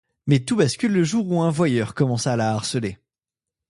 Mais tout bascule le jour où un voyeur commence à la harceler.